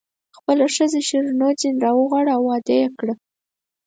خپله ښځه شیرینو ځنې راوغواړه او واده یې کړه.